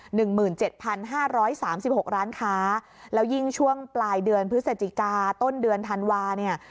หนึ่งหมื่นเจ็ดพันห้าร้อยสามสิบหกร้านค้าแล้วยิ่งช่วงปลายเดือนพฤศจิกาต้นเดือนธันวาเนี่ย